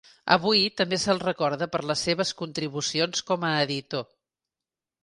Avui també se'l recorda per les seves contribucions com a editor.